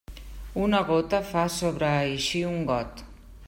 Una gota fa sobreeixir un got.